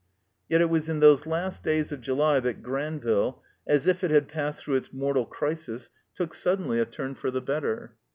Yet it was in those last days of July that Gran ville, as if it had passed through its mortal crisis, took, suddenly, a turn for the better.